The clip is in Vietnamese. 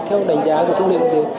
theo đánh giá của thế giới